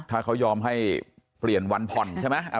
ถ้าเขายอมให้เปลี่ยนวันผ่อนใช่ไหม